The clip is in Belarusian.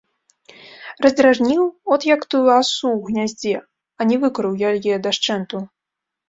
Раздражніў, от як тую асу ў гняздзе, а не выкурыў яе дашчэнту.